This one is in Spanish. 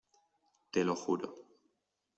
te lo juro.